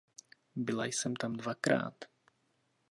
Byla jsem tam dvakrát.